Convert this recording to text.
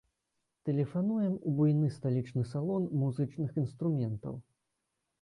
Тэлефануем у буйны сталічны салон музычных інструментаў.